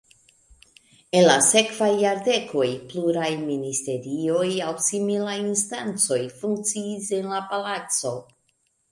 En la sekvaj jardekoj pluraj ministerioj aŭ similaj instancoj funkciis en la palaco.